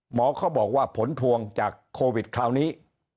เขาบอกว่าผลพวงจากโควิดคราวนี้